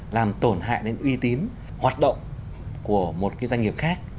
làm tổn hại đến uy tín hoạt động của một cái doanh nghiệp khác